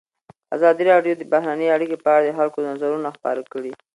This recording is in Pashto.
ازادي راډیو د بهرنۍ اړیکې په اړه د خلکو نظرونه خپاره کړي.